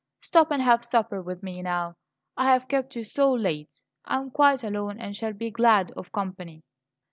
Stop and have supper with me, now I have kept you so late. I am quite alone, and shall be glad of company."